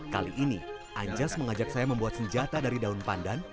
kali ini anjas mengajak saya membuat senjata dari daun pandan